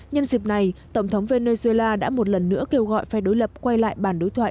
nhân dịp này tổng thống venezuela đã một lần nữa kêu gọi phe đối lập quay lại bàn đối thoại